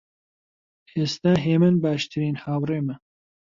ئێستا هێمن باشترین هاوڕێمە.